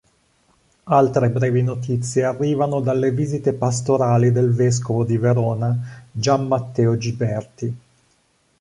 Altre brevi notizie arrivano dalle visite pastorali del Vescovo di Verona Gian Matteo Giberti.